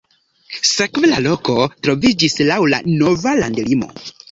Sekve la loko troviĝis laŭ la nova landlimo.